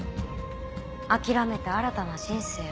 諦めて新たな人生を。